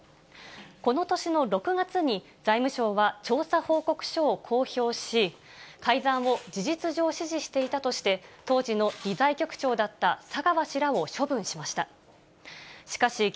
この年の６月に、財務省は調査報告書を公表し、改ざんを事実上、指示していたとして、当時の理財局長だった佐川氏らを処分しました。